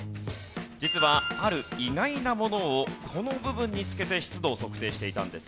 実はある意外なものをこの部分につけて湿度を測定していたんですね。